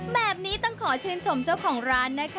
แบบนี้ต้องขอชื่นชมเจ้าของร้านนะคะ